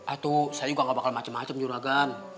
aduh saya juga gak bakalan macem macem juragan